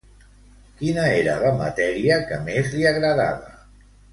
Quina era la matèria que més li agradava?